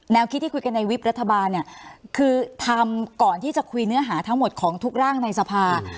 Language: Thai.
คิดที่คุยกันในวิบรัฐบาลเนี่ยคือทำก่อนที่จะคุยเนื้อหาทั้งหมดของทุกร่างในสภา